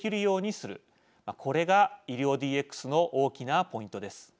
これが医療ＤＸの大きなポイントです。